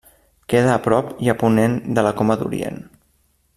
Queda a prop i a ponent de la Coma d'Orient.